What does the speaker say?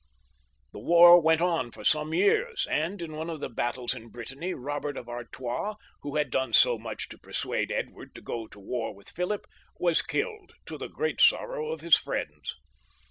The war went on for some years, and in one of the battles in Brittany, Eobert of Artois, who had done so much to persuade Edward to go to war with Philip, was killed, to the great sorrow of his friends.